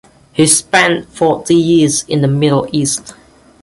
He spent forty years in the Middle East.